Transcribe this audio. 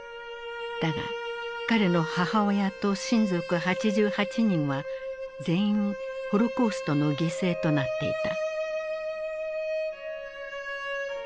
だが彼の母親と親族８８人は全員ホロコーストの犠牲となっていた。